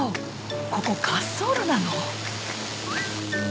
ここ滑走路なの？